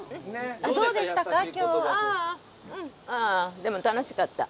でも楽しかった。